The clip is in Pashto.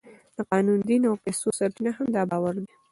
د قانون، دین او پیسو سرچینه هم دا باور دی.